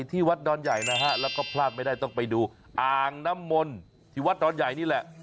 ที่วัดดอนใหญ่นะฮะแล้วก็พลาดไม่ได้ต้องไปดูอ่างน้ำมนต์ที่วัดดอนใหญ่นี่แหละ